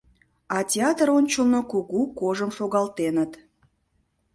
А театр ончылно кугу кожым шогалтеныт.